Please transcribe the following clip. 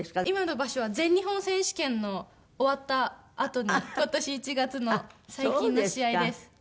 今の場所は全日本選手権の終わったあとの今年１月の最近の試合です。